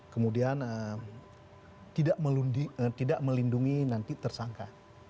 kemudian tidak melindungi nanti tersangka